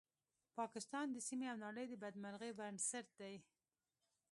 پاکستان د سیمې او نړۍ د بدمرغۍ بنسټ دی